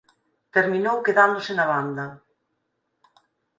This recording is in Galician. Terminou quedándose na banda.